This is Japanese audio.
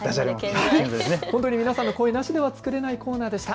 本当に皆さんの声なしでは作れないコーナーでした。